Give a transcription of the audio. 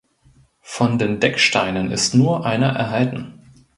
Von den Decksteinen ist nur einer erhalten.